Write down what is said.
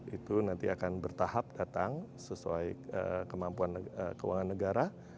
itu nanti akan bertahap datang sesuai kemampuan keuangan negara